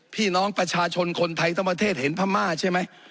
พี่น้องประชาชนคนไทยทั้งประเทศเห็นพม่าใช่ไหม